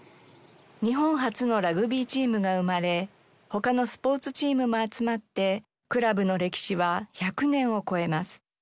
日本初のラグビーチームが生まれ他のスポーツチームも集まってクラブの歴史は１００年を超えます。